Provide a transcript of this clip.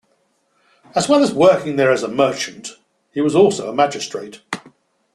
As well as working there as a merchant, he was also a magistrate.